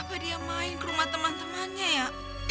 apa dia main ke rumah teman temannya ya